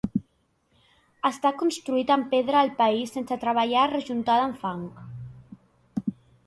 Està construït amb pedra del país sense treballar rejuntada amb fang.